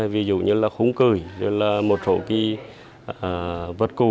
ví dụ như là khung cười một số vật cụ